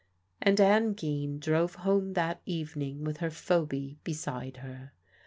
And Ann Geen drove home that evening with her Phoby beside her.